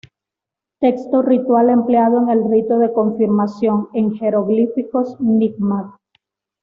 Texto ritual empleado en el Rito de Confirmación, en jeroglíficos micmac.